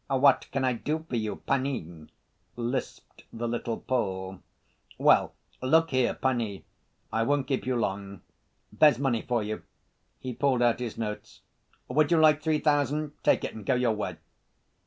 "What can I do for you, panie?" lisped the little Pole. "Well, look here, panie, I won't keep you long. There's money for you," he pulled out his notes. "Would you like three thousand? Take it and go your way."